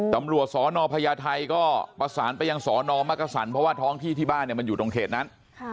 ตำรวจสนพญาไทยก็ประสานไปยังสอนอมักกษันเพราะว่าท้องที่ที่บ้านมันอยู่ตรงเขตนั้น